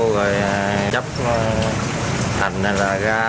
rồi chấp hành là ra